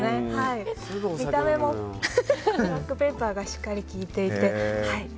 見た目もブラックペッパーがしっかり効いていて。